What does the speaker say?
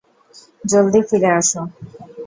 জলদি ফিরে আসো।